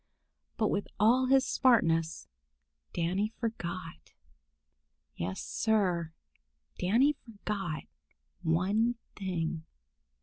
But with all his smartness, Danny forgot. Yes, Sir, Danny forgot one thing.